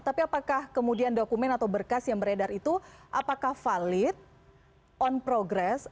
tapi apakah kemudian dokumen atau berkas yang beredar itu apakah valid on progress